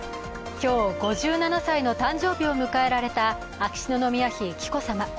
今日、５７歳の誕生日を迎えられた秋篠宮妃・紀子さま。